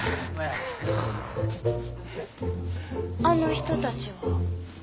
あの人たちは。